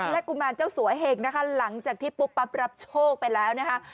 และกุมารเจ้าสัวเหงนะคะหลังจากที่ปุ๊บปั๊บรับโชคไปแล้วนะคะ